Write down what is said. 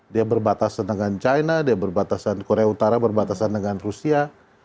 dia berbatasan dengan china korea utara berbatasan dengan rusia